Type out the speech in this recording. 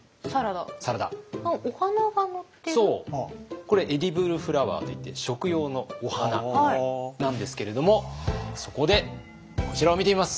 これエディブルフラワーといって食用のお花なんですけれどもそこでこちらを見てみます。